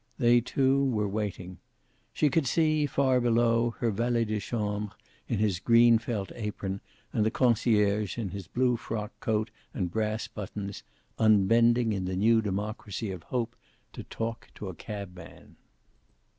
They, too, were waiting. She could see, far below, her valet de chambre in his green felt apron, and the concierge in his blue frock coat and brass buttons, unbending in the new democracy of hope to talk to a cabman.